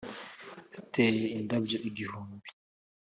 yateye indabyo igihumbi